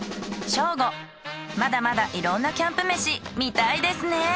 まだまだいろんなキャンプ飯見たいですね。